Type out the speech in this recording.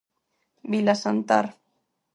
Vilasantar.